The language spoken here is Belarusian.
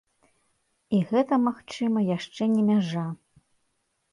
І гэта, магчыма, яшчэ не мяжа.